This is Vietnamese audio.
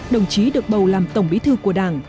đồng chí được bầu làm tổng bí thư của đảng